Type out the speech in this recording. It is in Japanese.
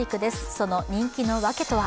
その人気の訳とは。